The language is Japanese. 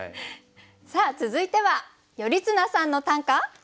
さあ続いては「頼綱さんの！短歌」。